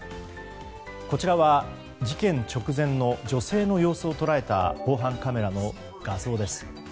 こちらは事件直前の女性の様子を捉えた防犯カメラの画像です。